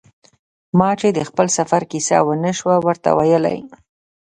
ما چې د خپل سفر کیسه و نه شو ورته ویلای.